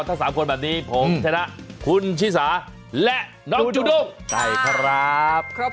ถ้าสามคนแบบนี้ผมชนะคุณชิสาและน้องจุดุใกล้ครับ